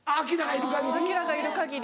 アキラがいる限り？